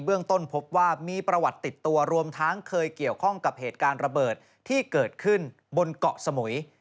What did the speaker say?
เรื่องต้นพบว่ามีประวัติติดตัวรวมทั้งเคยเกี่ยวข้องกับเหตุการณ์ระเบิดที่เกิดขึ้นบนเกาะสมุย